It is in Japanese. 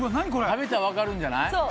食べたらわかるんじゃない？